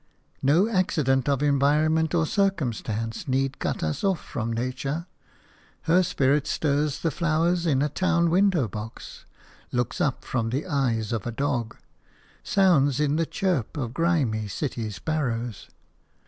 No accident of environment or circumstance need cut us off from nature. Her spirit stirs the flowers in a town window box, looks up from the eyes of a dog, sounds in the chirp of grimy city sparrows.